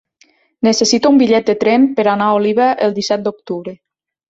Necessito un bitllet de tren per anar a Oliva el disset d'octubre.